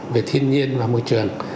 về thiên nhiên và môi trường